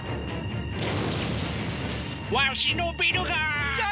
わしのビルが！社長！